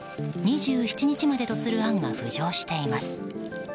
２７日までとする案が浮上しています。